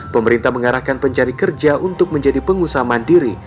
pemerintah mengarahkan pencari kerja untuk menjadi pengusaha mandiri